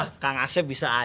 ah kang asep bisa ajar